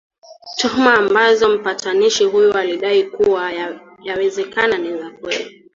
tuhma ambazo mpatanishi huyu alidai kuwa yawezekana ni za kweli